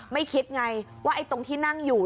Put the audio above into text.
ไม่คิดไงว่าตรงที่นั่งอยู่